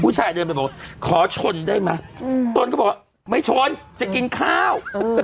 ผู้ชายเดินไปก็บอกขอชนได้ไหมตนก็บอกไม่ชนจะกินข้าว